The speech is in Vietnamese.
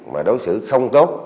mà đối xử không tốt